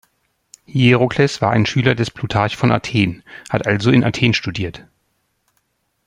Hierokles war ein Schüler des Plutarch von Athen, hat also in Athen studiert.